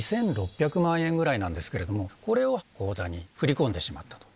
２６００万円ぐらいなんですけれども、これを口座に振り込んでしまったと。